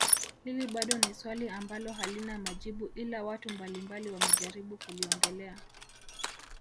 Hili bado ni swali ambalo halina majibu ila watu mbalimbali wamejaribu kuliongelea